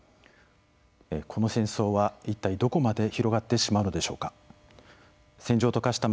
この戦争は一体どこまで広がってしまうのでしょうか。